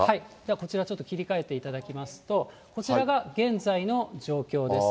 こちら、ちょっと切り替えていただきますと、こちらが現在の状況です。